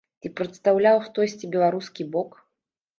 Ці прадстаўляў хтосьці беларускі бок?